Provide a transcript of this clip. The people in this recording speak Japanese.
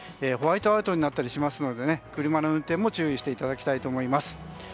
ホワイトアウトになったりしますので車の運転も注意していただきたいと思います。